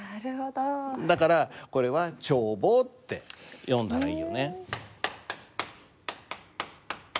だからこれは「ちょうぼう」って読んだらいいよね。